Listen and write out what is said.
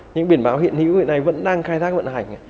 những biển báo hiện hữu này vẫn đang khai thác vận hành